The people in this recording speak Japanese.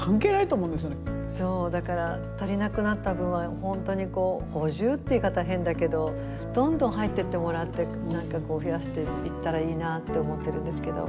だから足りなくなった分は本当に補充っていう言い方は変だけどどんどん入ってってもらって何かこう増やしていったらいいなって思ってるんですけど。